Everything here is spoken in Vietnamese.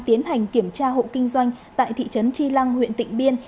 tiến hành kiểm tra hộ kinh doanh tại thị trấn tri lăng huyện tịnh biên